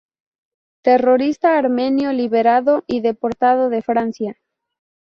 Terrorista armenio liberado y deportado de Francia.